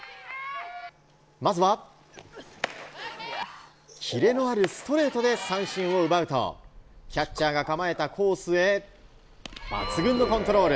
まずはキレのあるストレートで三振を奪うと、キャッチャーが構えたコースへ抜群のコントロール。